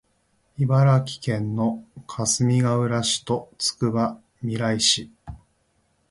茨城県のかすみがうら市とつくばみらい市